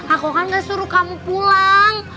aku kan gak suruh kamu pulang